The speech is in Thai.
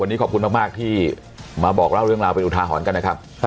วันนี้ขอบคุณมากที่มาบอกเล่าเรื่องราวเป็นอุทาหรณ์กันนะครับ